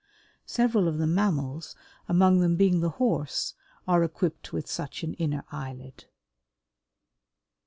Several of the mammals, among them being the horse, are equipped with such an inner eyelid.